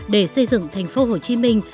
để xây dựng thành phố hồ chí minh